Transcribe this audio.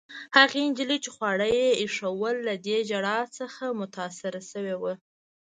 هغې نجلۍ، چي خواړه يې ایښوول، له دې ژړا څخه متاثره شوې وه.